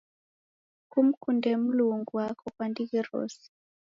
Kumkunde Mlungu wako kwa dighi rose.